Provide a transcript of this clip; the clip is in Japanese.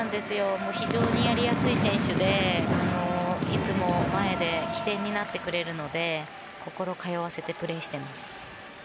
非常にやりやすい選手でいつも前で起点になってくれるので心通わせてプレーしています。